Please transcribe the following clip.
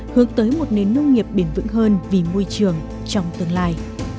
hướng tới một nền nông nghiệp bền vững hơn vì môi trường trong tương lai